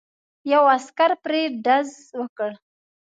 یو عسکر پرې ډز وکړ.